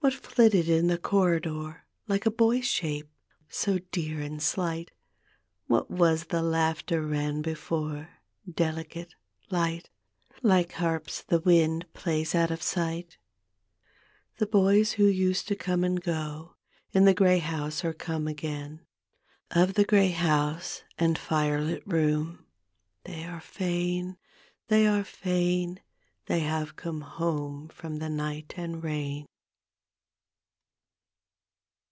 'What flitted in the corridor Like a boy's shape so dear and slight? What was the laughter tan before? Delicate, light, Like harps the wind plays out of si^t. , Tile boys who used to go and come In the grey house are come again; Of the grey house and Hrelit room They are fain, they are fain: Tliey have come home from the night and rain.